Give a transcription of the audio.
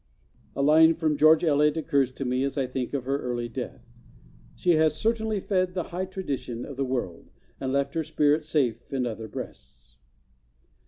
A line from George Eliot occurs to me as I think of her early death: 'She has certainly fed the high tradition of the world and left her spirit safe in other breasts.